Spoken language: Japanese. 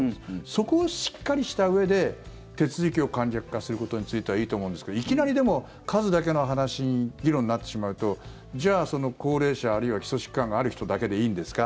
そこをしっかりしたうえで手続きを簡略化することについてはいいと思うんですけどいきなり、でも数だけの話議論になってしまうとじゃあ、高齢者あるいは基礎疾患がある人だけでいいんですか？